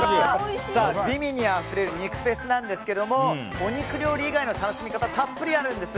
美味にあふれる肉フェスなんですがお肉料理以外の楽しみ方がたっぷりあるんです。